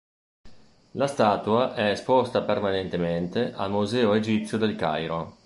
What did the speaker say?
La statua è esposta permanentemente al Museo Egizio del Cairo.